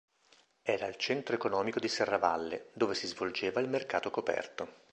Era il centro economico di Serravalle, dove si svolgeva il mercato coperto.